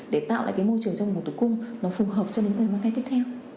để tạo lại cái môi trường trong bùng tử cung nó phù hợp cho những người mang thai tiếp theo